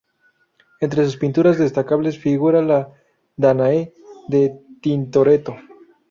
Entre sus pinturas destacables figura la "Dánae" de Tintoretto.